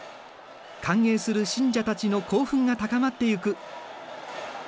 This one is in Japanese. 歓迎する信者たちの興奮が高まっていく。